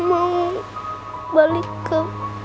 mau balik ke